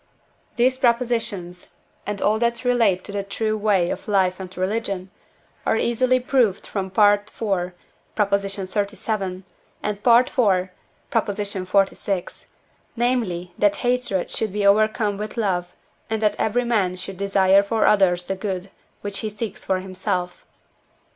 These propositions, and all that relate to the true way of life and religion, are easily proved from IV. xxxvii. and IV. xlvi.; namely, that hatred should be overcome with love, and that every man should desire for others the good which he seeks for himself.